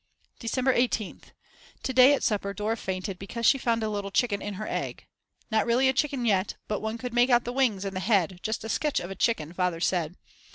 December 18th. To day at supper Dora fainted because she found a little chicken in her egg, not really a chicken yet, but one could make out the wings and the head, just a sketch of a chicken Father said.